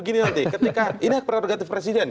ini hak prerogatif presiden